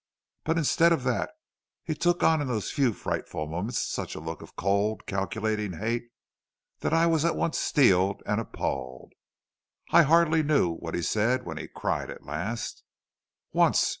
But instead of that he took on in those few frightful moments such a look of cold, calculating hate that I was at once steeled and appalled. I hardly knew what he said when he cried at last: "'Once!